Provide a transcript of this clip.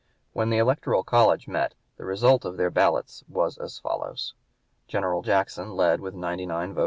When the Electoral College met the result of their ballots was as follows: General Jackson led with 99 votes. (p.